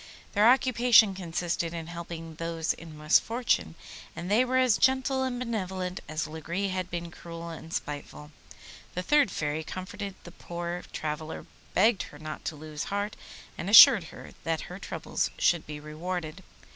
Their occupation consisted in helping those in misfortune, and they were as gentle and benevolent as Lagree had been cruel and spiteful. The third Fairy comforted the poor traveller, begged her not to lose heart, and assured her that her troubles should be rewarded.